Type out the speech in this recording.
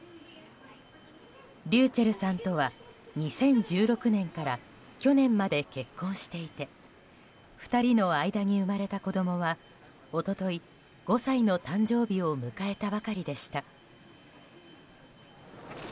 ｒｙｕｃｈｅｌｌさんとは２０１６年から去年まで結婚していて２人の間に生まれた子供は一昨日５歳の誕生日を迎えたばかりでした。